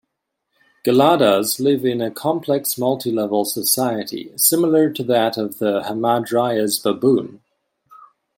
Geladas live in a complex multilevel society similar to that of the hamadryas baboon.